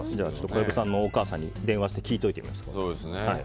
小籔さんのお母さんに電話して聞いてみてください。